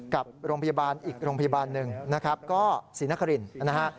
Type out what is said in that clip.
กับโรงพยาบาลอีกโรงพยาบาลหนึ่งนะครับก็ศรีนครินนะฮะ